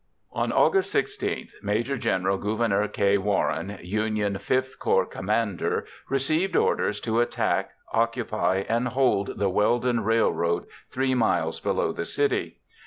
On August 16, Maj. Gen. Gouverneur K. Warren, Union V Corps commander, received orders to attack, occupy, and hold the Weldon Railroad 3 miles below the city.